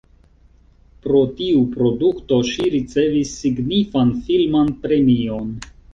Pro tiu produkto ŝi ricevis signifan filman premion.